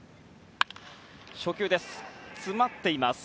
初球です。